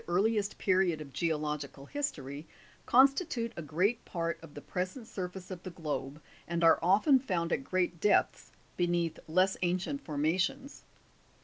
earliest period of geological history, constitute a great part of the present surface of the globe, and are often found at great depths, beneath less ancient formations.